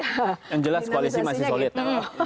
yang jelas koalisi masih solid